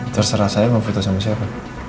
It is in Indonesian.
terserah saya mau beritahu sama siapa